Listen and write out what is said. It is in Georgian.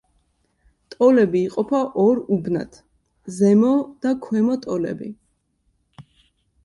ტოლები იყოფა ორ უბნად: ზემო და ქვემო ტოლები.